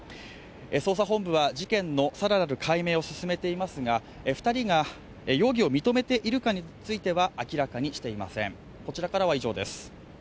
捜査本部は事件の更なる解明を進めていますが２人が容疑を認めているかについては明らかにしていません。